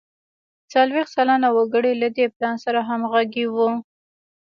څلوېښت سلنه وګړي له دې پلان سره همغږي وو.